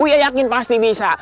uya yakin pasti bisa